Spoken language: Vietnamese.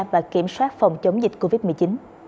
và kiểm soát phòng chống dịch covid một mươi chín